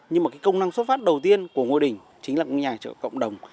nhưng mà cái công năng xuất phát đầu tiên của ngôi đình chính là nhà trợ cộng đồng